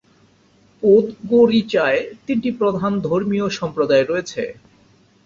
পোদগোরিচায় তিনটি প্রধান ধর্মীয় সম্প্রদায় রয়েছে।